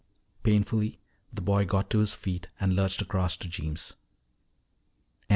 Painfully the boy got to his feet and lurched across to Jeems.